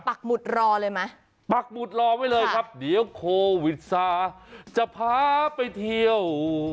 หุดรอเลยไหมปักหมุดรอไว้เลยครับเดี๋ยวโควิดซาจะพาไปเที่ยว